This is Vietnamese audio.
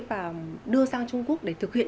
và đưa sang trung quốc để thực hiện